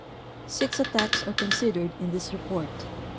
Six attacks are considered in this report.